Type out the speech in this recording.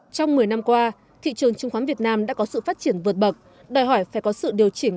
trong một mươi năm qua thị trường chứng khoán việt nam đã có sự phát triển vượt bậc đòi hỏi phải có sự điều chỉnh